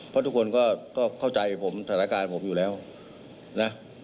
เพราะทุกคนก็เข้าใจผมสถานการณ์ผมอยู่แล้วนะ